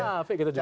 capek gitu juga